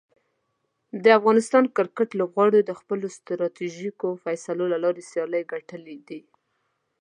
د افغانستان کرکټ لوبغاړو د خپلو ستراتیژیکو فیصلو له لارې سیالۍ ګټلي دي.